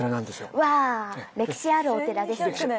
うわ歴史あるお寺ですね。